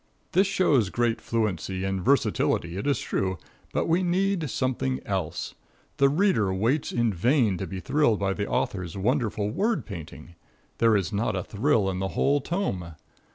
This shows great fluency and versatility, it is true, but we need something else. The reader waits in vain to be thrilled by the author's wonderful word painting. There is not a thrill in the whole tome.